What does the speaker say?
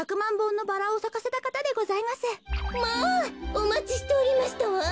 おまちしておりましたわん。